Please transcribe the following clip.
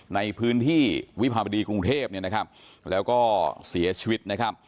ในพื้นที่วิพาบดีกรุงเทพแล้วก็เสียชีวิต